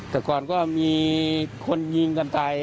กก่อนก็มีคนยิงกันตาย